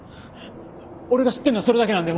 俺が知ってるのはそれだけなんだよ